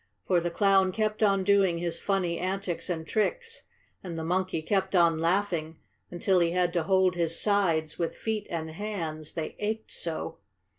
For the Clown kept on doing his funny antics and tricks, and the monkey kept on laughing until he had to hold his sides with feet and hands, they ached so.